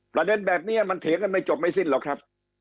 ประเด็นแบบนี้มันเถียงกันไม่จบไม่สิ้นหรอกครับ